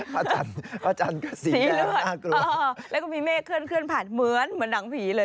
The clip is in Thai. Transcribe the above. พระอาจารย์ก็สีแนวน่ากลัว